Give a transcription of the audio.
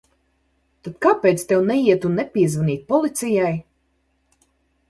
Tad kāpēc tev neiet un nepiezvanīt policijai?